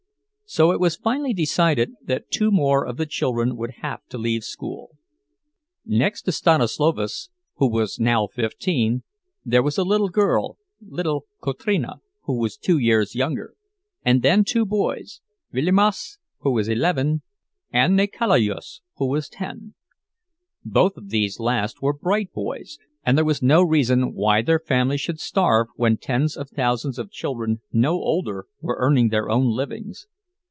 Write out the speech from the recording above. So it was finally decided that two more of the children would have to leave school. Next to Stanislovas, who was now fifteen, there was a girl, little Kotrina, who was two years younger, and then two boys, Vilimas, who was eleven, and Nikalojus, who was ten. Both of these last were bright boys, and there was no reason why their family should starve when tens of thousands of children no older were earning their own livings.